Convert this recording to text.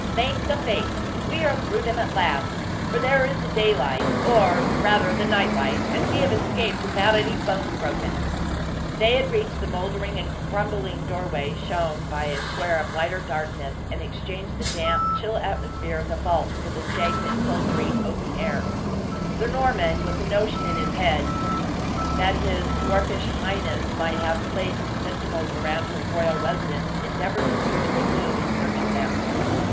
Thank the fates, we are through them, at last! for there is the daylight, or, rather the nightlight, and we have escaped without any bones broken." They had reached the mouldering and crumbling doorway, shown by a square of lighter darkness, and exchanged the damp, chill atmosphere of the vaults for the stagnant, sultry open air. Sir Norman, with a notion in his head that his dwarfish highness might have placed sentinels around his royal residence, endeavored to pierce the gloom in search of them.